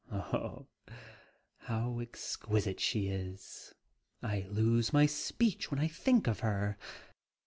Oh how exquisite she is! I lose my speech when I think of her!"